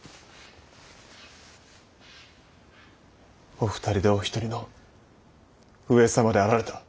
お二人でお一人の上様であられた。